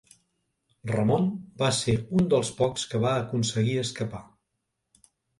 Ramon va ser un dels pocs que va aconseguir escapar.